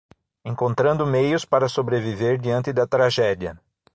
Encontrando meios para sobreviver diante da tragédia